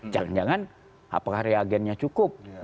jangan jangan apakah reagennya cukup